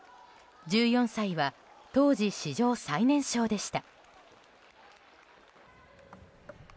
１４歳は当時史上最年少でした。